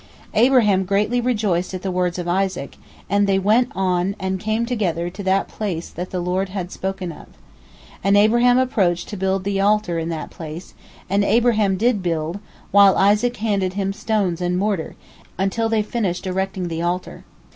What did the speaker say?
Abraham greatly rejoiced at the words of Isaac, and they went on and came together to that place that the Lord had spoken of. And Abraham approached to build the altar in that place, and Abraham did build, while Isaac handed him stones and mortar, until they finished erecting the altar.